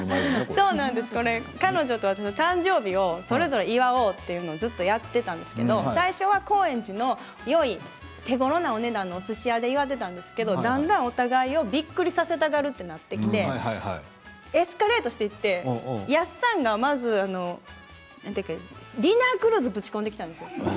彼女と私が誕生日をそれぞれ祝おうというのをずっとやっていたんですけれど最初は高円寺の手ごろなお値段のおすし屋さんでやっていたんですけれどもだんだんお互いをびっくりさせようとなってきてエスカレートしていってやっさんがまずディナークルーズをぶち込んできたんですよ。